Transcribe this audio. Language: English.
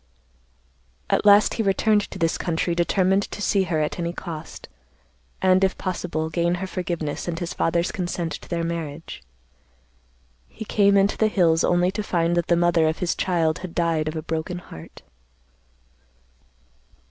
"At last he returned to this country determined to see her at any cost, and, if possible, gain her forgiveness and his father's consent to their marriage. He came into the hills only to find that the mother of his child had died of a broken heart.